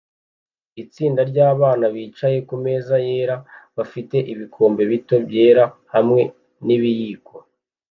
Itsinda ryabantu bicaye kumeza yera bafite ibikombe bito byera hamwe nibiyiko